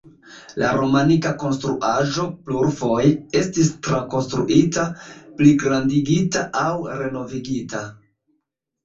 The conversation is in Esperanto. La romanika konstruaĵo plurfoje estis trakonstruita, pligrandigita aŭ renovigita.